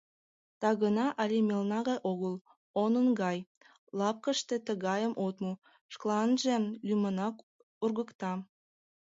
Тагына але мелна гай огыл — онын гай, лапкыште тыгайым от му, шкаланже лӱмынак ургыкта.